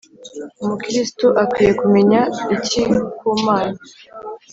umukirisitu akwiye kumenya iki kumana